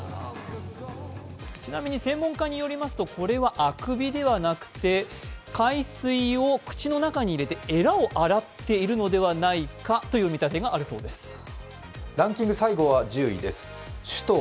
ちなみに専門家によりますと、これはあくびではなくて海水を口の中に入れて、えらを洗っているのではないかという見立てがあるようです。